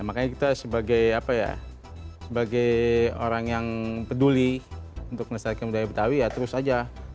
makanya kita sebagai apa ya sebagai orang yang peduli untuk melestarikan budaya betawi ya terus aja